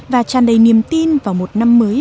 và tràn đầy niềm tin vào một năm mới